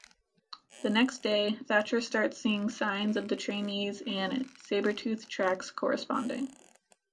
The next day, Thatcher starts seeing signs of the trainees and sabretooth's tracks corresponding.